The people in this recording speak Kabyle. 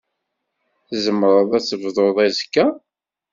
Tzemreḍ ad tebduḍ azekka?